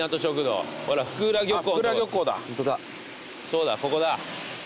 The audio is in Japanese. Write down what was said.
そうだここだ。